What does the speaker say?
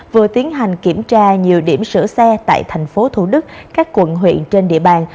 vừa tiến hành kiểm tra nhiều điểm sửa xe tại thành phố thủ đức các quận huyện trên địa bàn